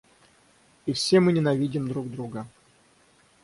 И все мы ненавидим друг друга.